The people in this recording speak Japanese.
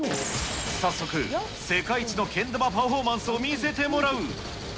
早速、世界一のけん玉パフォーマンスを見せてもらう。